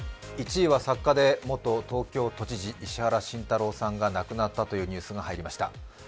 １位は作家で元東京都知事・石原慎太郎さんが亡くなったというニュースが入りました。